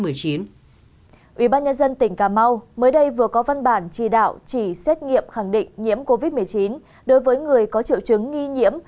ủy ban nhân dân tỉnh cà mau mới đây vừa có văn bản chỉ đạo chỉ xét nghiệm khẳng định nhiễm covid một mươi chín đối với người có triệu chứng nghi nhiễm